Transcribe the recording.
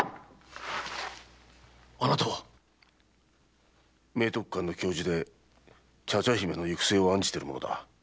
あなたは⁉明徳館の教授で茶々姫の行く末を案じている者だ。